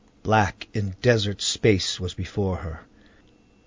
Black and desert space was before her.